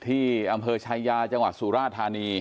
ที่อำเภอชายาจังหวัดสุราธานี